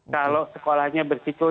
kalau sekolahnya bersiku